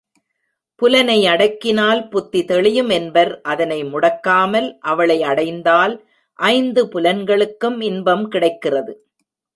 புலனை அடக்கினால் புத்தி தெளியும் என்பர் அதனை முடக்காமல் அவளை அடைந்தால் ஐந்து புலன்களுக்கும் இன்பம் கிடைக்கிறது.